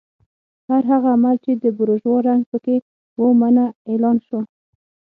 هر هغه عمل چې د بورژوا رنګ پکې و منع اعلان شو.